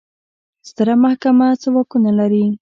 ستره محکمه څه واکونه لري؟